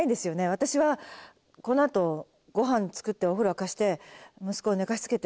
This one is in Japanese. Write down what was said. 私はこのあとご飯作ってお風呂沸かして息子を寝かしつけて。